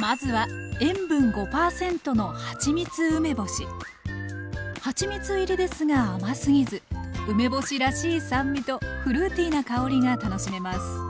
まずははちみつ入りですが甘すぎず梅干しらしい酸味とフルーティーな香りが楽しめます